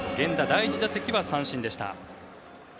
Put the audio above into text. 第１打席は三振でした。